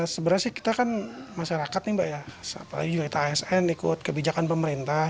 sebenarnya kita kan masyarakat apalagi kita asn ikut kebijakan pemerintah